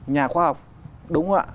nhà khoa học đúng ạ